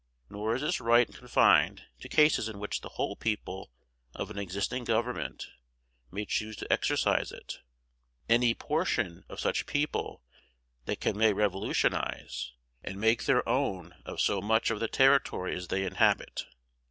Nor is this right confined to cases in which the whole people of an existing government may choose to exercise it. Any portion of such people that can may revolutionize, and make their own of so much of the territory as they inhabit.